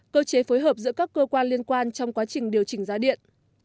cơ chế phối hợp giữa các cơ quan liên quan trong quá trình điều chỉnh giá điện